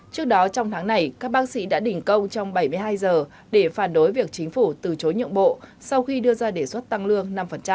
trước đó trong tháng này các bác sĩ đã đình công trong bảy mươi hai giờ để phản đối việc chính phủ từ chối nhượng bộ sau khi đưa ra đề xuất tăng lương năm